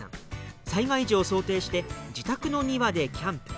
災害時を想定して自宅の庭でキャンプ。